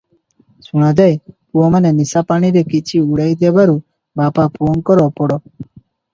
ଶୁଣାଯାଏ, ପୁଅମାନେ ନିଶାପାଣିରେ କିଛି ଉଡ଼ାଇ ଦେବାରୁ ବାପ ପୁଅଙ୍କର ଅପଡ଼ ।